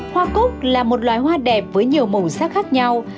hoa cúc là một loài hoa đẹp với nhiều màu sắc khác nhau